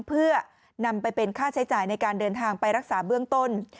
เพื่อนำไปเป็นค่าใช้จ่ายในการเดินทางไปรักษาเบื้องต้น